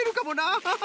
アハハ。